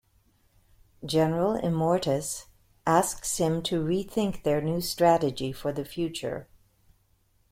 General Immortus asks him to rethink their new strategy for the future.